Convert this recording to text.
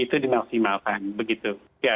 itu dimaksimalkan begitu